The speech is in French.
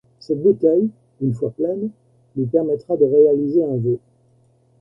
Cette bouteille, une fois pleine, lui permettra de réaliser un vœu.